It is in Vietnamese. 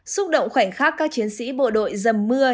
xúc động khoảnh khắc các chiến sĩ bộ đội dầm mưa